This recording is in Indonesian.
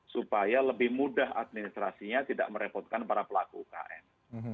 supaya lebih mudah administrasinya tidak merepotkan para pelaku ukm